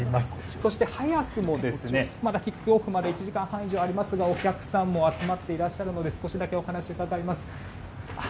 そして、早くもキックオフまで１時間半以上ありますがお客さんも集まっていらっしゃるので少しだけお話伺います。